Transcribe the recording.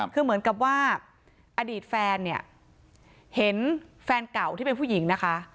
คือเหมือนกับว่าอดีตแฟนเนี่ยเห็นแฟนเก่าที่เป็นผู้หญิงนะคะ